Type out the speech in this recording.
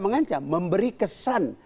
mengancam memberi kesan